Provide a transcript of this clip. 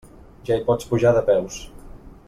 Ja hi pots pujar de peus.